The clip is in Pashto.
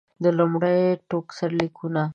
د لومړي ټوک سرلیکونه.